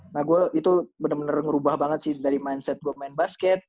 nah gue itu bener bener ngerubah banget sih dari mindset gue main basket